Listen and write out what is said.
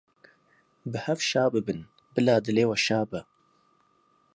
Bi hev şa bibin, bila dilê we şa be.